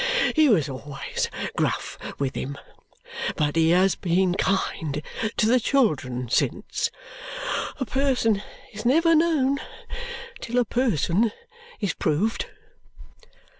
He was always gruff with him, but he has been kind to the children since. A person is never known till a person is proved."